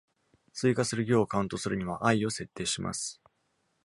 追加する行をカウントするには、[i] を設定します。